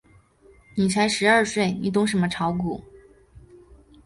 你才十二岁，你懂什么炒股？